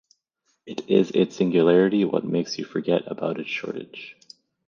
It is its singularity what makes you forget about its shortage.